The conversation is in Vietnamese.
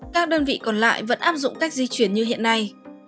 các đơn vị còn lại vẫn áp dụng cách di chuyển như hiện nay